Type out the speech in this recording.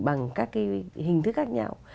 bằng các cái hình thức khác nhau